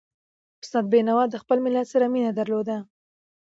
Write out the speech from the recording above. استاد بينوا د خپل ملت سره مینه درلوده.